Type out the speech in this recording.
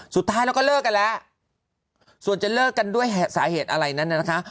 สุดท้ายเราก็เลิกกันแล้วส่วนจะเลิกกันด้วยสาเหตุอะไรนั้นน่ะนะคะ